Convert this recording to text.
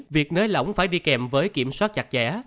việc nới lỏng phải đi kèm với kiểm soát chặt chẽ